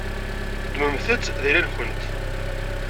Ddmemt-tt d ayla-nkent.